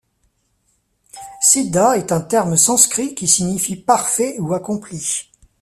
Siddha est un terme sanskrit qui signifie parfait ou accompli.